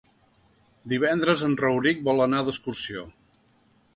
Divendres en Rauric vol anar d'excursió.